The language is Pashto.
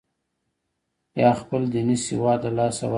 یا خپل دیني سواد له لاسه ورکړي.